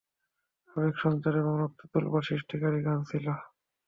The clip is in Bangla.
আবেগ সঞ্চার এবং রক্তে তোলপাড় সৃষ্টিকারী গান ছিল।